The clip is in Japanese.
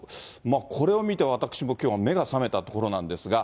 これを見て私もきょうは目が覚めたところなんですが。